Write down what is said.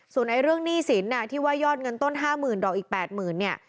ส่วนในเรื่องหนี้สินที่ว่ายอดเงินต้นห้าหมื่นดอกอีกแปดหมื่นเนี่ย